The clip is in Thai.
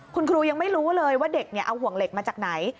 คุณครูยังไม่รู้เลยว่าเด็กเอาห่วงเหล็กมาจากไหน